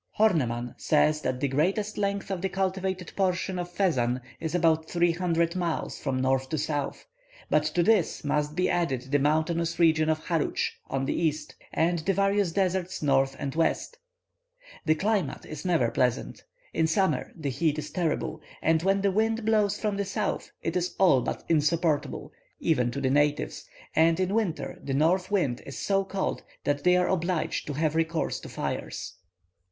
Horneman says that the greatest length of the cultivated portion of Fezzan is about three hundred miles from north to south, but to this must be added the mountainous region of Harutsch on the east, and the various deserts north and west. The climate is never pleasant; in summer the heat is terrible, and when the wind blows from the south, it is all but insupportable, even to the natives, and in winter the north wind is so cold that they are obliged to have recourse to fires.